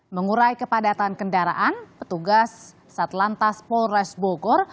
mengurai kepadatan kendaraan petugas satlantas polres bogor